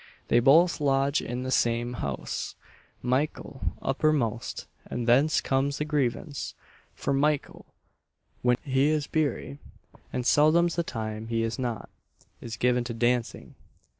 They both lodge in the same house Mykle uppermost, and thence comes the grievance; for Mykle, when he is beery and seldom's the time he is not is given to dancing.